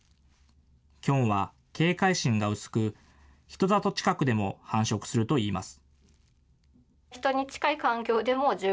キョンは警戒心が薄く、人里近くでも繁殖するといいます。